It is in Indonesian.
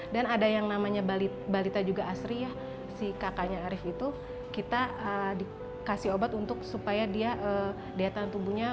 dan ada yang namanya balita juga asri si kakaknya arief itu kita dikasih obat supaya dia daya tahan tubuhnya